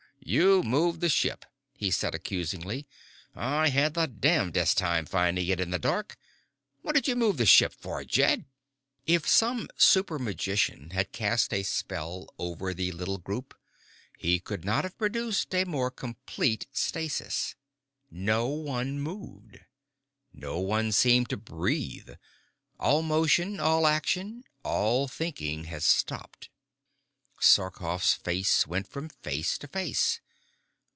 "You moved the ship," he said accusingly. "I had the damnedest time finding it in the dark. What did you move the ship for, Jed?" If some super magician had cast a spell over the little group he could not have produced a more complete stasis. No one moved. No one seemed to breathe. All motion, all action, all thinking, had stopped. Sarkoff's face went from face to face.